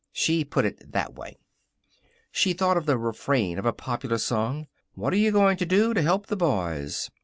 She put it that way. She thought of the refrain of a popular song: "What Are You Going to Do to Help the Boys?"